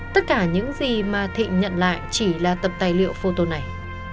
tất cả những gì mà thị nhận lại chỉ là tập tài liệu photo này